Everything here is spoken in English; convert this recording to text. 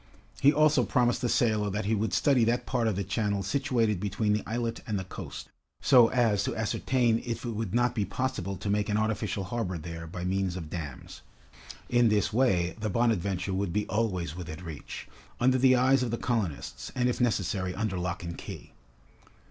He also promised the sailor that he would study that part of the channel situated between the islet and the coast, so as to ascertain if it would not be possible to make an artificial harbor there by means of dams. In this way, the "Bonadventure" would be always within reach, under the eyes of the colonists, and if necessary, under lock and key.